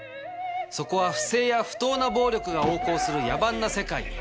そこは不正や不当な暴力が横行する野蛮な世界。